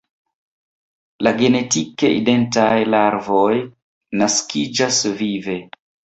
La genetike identaj larvoj naskiĝas vive.